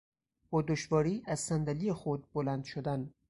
با دشواری از صندلی خود بلند شدن